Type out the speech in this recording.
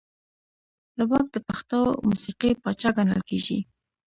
رباب د پښتو موسیقۍ پاچا ګڼل کیږي.